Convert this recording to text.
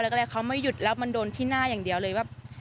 แล้วก็เลยเขาไม่หยุดแล้วมันโดนที่หน้าอย่างเดียวเลยว่า